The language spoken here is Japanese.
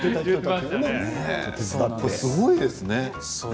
すごいですね。